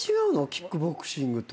キックボクシングと。